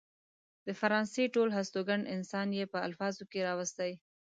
د فرانسې ټول هستوګن انسان يې په الفاظو کې راوستي.